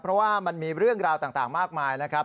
เพราะว่ามันมีเรื่องราวต่างมากมายนะครับ